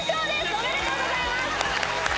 おめでとうございます！